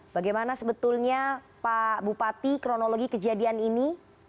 bagaimana sebetulnya pak bupati kronologi kejadian ini